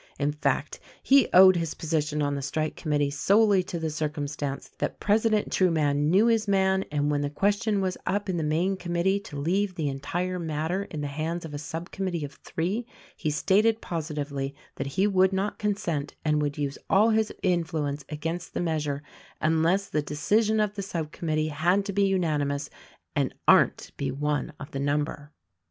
In fact he owed his position on the strike committee solely to the cir cumstance that President Trueman knew his man and when the question was up in the main committee to leave the entire matter in the hands of a sub committee of three, he stated positively that he would not consent and would use all his influence against the measure unless the decision of the sub committee had to be unanimous and Arndt be one of the number.